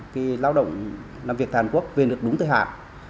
khi lao động làm việc tại hàn quốc về nước đúng thời hạn